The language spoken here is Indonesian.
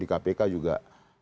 di kpk juga